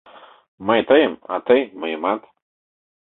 Мый — тыйым, а тый — мыйымат.